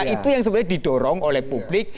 itu yang sebenarnya didorong oleh publik